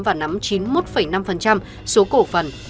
và nắm chín mươi một năm số cổ phần